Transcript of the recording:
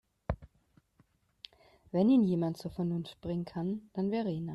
Wenn ihn jemand zur Vernunft bringen kann, dann Verena.